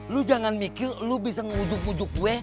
lu jangan mikir lu bisa ngujuk ngujuk gue